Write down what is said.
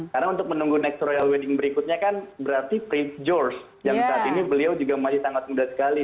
karena untuk menunggu next royal wedding berikutnya kan berarti prince george yang saat ini beliau juga masih sangat muda sekali